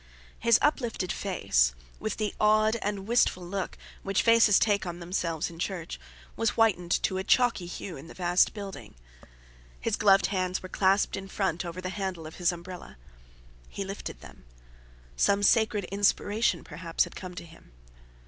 His uplifted face, with the awed and wistful look which faces take on themselves in church, was whitened to a chalky hue in the vast building. His gloved hands were clasped in front over the handle of his umbrella. He lifted them. Some sacred inspiration perhaps had come to him.